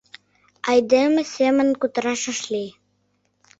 Айдеме семын кутыраш ыш лий.